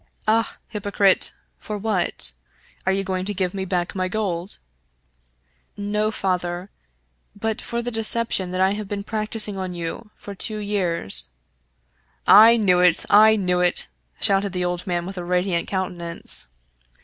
"Ah, hypocrite! for what? Are you going to give me back my gold ?"" No, father, but for the deception that I have been prac ticing on you for two years "" I knew it ! I knew it !" shouted the old man, with a radiant countenance.